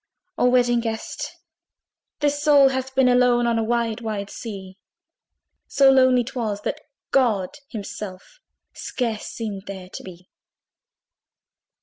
O Wedding Guest! this soul hath been Alone on a wide wide sea: So lonely 'twas, that God himself Scarce seemed there to be.